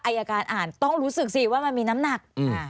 อายการอ่านต้องรู้สึกสิว่ามันมีน้ำหนัก